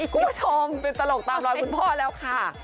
คุณผู้ชมเป็นตลกตามรอยคุณพ่อแล้วค่ะ